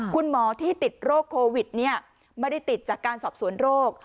คุณหมอที่ติดโรคโควิดไม่ได้ติดจากการสอบสวนโรค